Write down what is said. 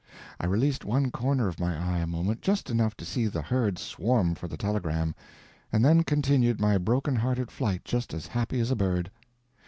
I released one corner of my eye a moment—just enough to see the herd swarm for the telegram—and then continued my broken hearted flight just as happy as a bird.